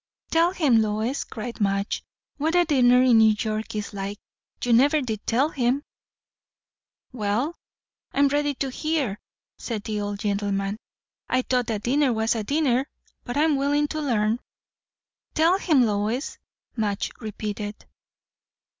"Tell him, Lois," cried Madge, "what a dinner in New York is like. You never did tell him." "Well, I'm ready to hear," said the old gentleman. "I thought a dinner was a dinner; but I'm willin' to learn." "Tell him, Lois!" Madge repeated.